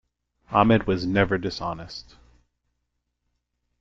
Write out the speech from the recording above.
Ahmed was never dishonest.